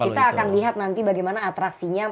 kita akan lihat nanti bagaimana atraksinya